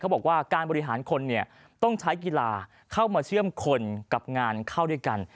บอกว่าการบริหารคนเนี่ยต้องใช้กีฬาเข้ามาเชื่อมคนกับงานเข้าด้วยกัน